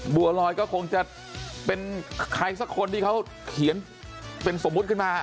บัวลอยก็คงจะเป็นใครสักคนที่เขาเขียนเป็นสมมุติขึ้นมา